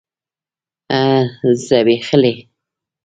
ځبيښلي